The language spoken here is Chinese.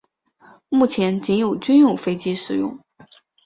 目前仅有军用飞机使用。